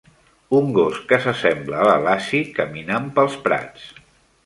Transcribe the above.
Un gos que s'assembla a la Lassie caminant pels prats.